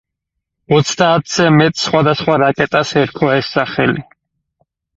ოცდაათზე მეტ სხვადასხვა რაკეტას ერქვა ეს სახელი.